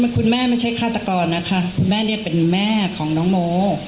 คุณแม่ไม่ใช่ฆาตกรนะคะคุณแม่เนี่ยเป็นแม่ของน้องโม